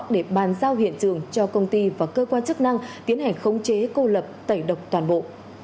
để bàn giao hiện trường cho công ty và cơ quan chức năng tiến hành khống chế cô lập tẩy độc toàn bộ